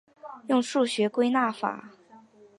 用数学归纳法。